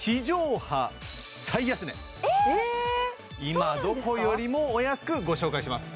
今どこよりもお安くご紹介します